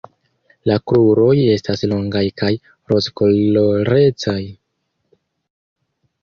La kruroj estas longaj kaj rozkolorecaj.